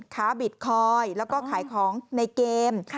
ข้าวอาหารปอนด์และขายของในเกม